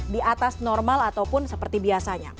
di atas normal ataupun seperti biasanya